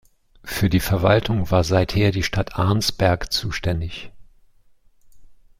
Für die Verwaltung war seither die Stadt Arnsberg zuständig.